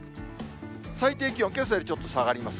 最低気温、けさよりちょっと下がります。